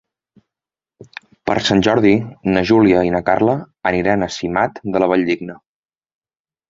Per Sant Jordi na Júlia i na Carla aniran a Simat de la Valldigna.